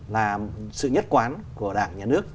là sự nhất quán của đảng nhà nước